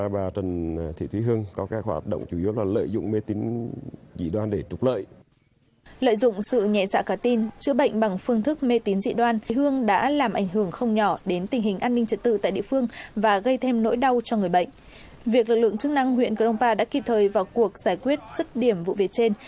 việc lực lượng chức năng huyện cờ đông ba đã kịp thời vào cuộc giải quyết sức điểm vụ việc trên